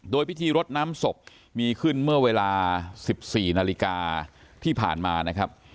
โดยพิธีรดน้ำศพมีขึ้นเมื่อเวลา๑๔นาฬิกาที่ผ่านมานะครับ